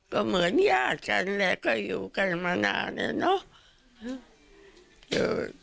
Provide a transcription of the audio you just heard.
ก็เหมือนญาติกันแหละก็อยู่กันมานานอะเนาะ